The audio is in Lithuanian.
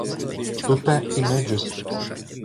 Tupia į medžius.